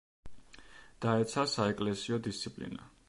დაეცა საეკლესიო დისციპლინა.